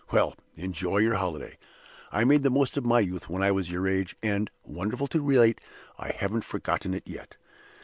Well! enjoy your holiday. I made the most of my youth when I was your age; and, wonderful to relate, I haven't forgotten it yet!